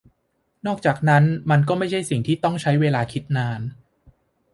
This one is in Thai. นอกจากนั้น มันก็ไม่ใช่สิ่งที่ต้องใช้เวลาคิดนาน